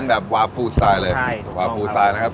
ได้ไหมครับ